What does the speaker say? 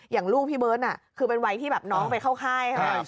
อย่างลูกพี่เบิ้ลน่ะคือเป็นวัยที่แบบน้องไปเข้าค่าย